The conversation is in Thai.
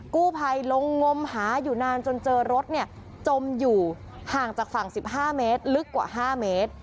กู้ภัยลงงมหาอยู่นานจนเจอรถจมอยู่ห่างจากฝั่ง๑๕เมตรลึกกว่า๕เมตร